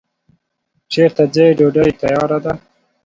چیرته ځی ډوډی تیاره ده